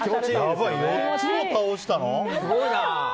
やばい、４つも倒したの？